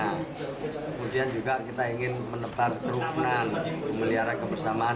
kemudian juga kita ingin menebar kerukunan melihara kebersamaan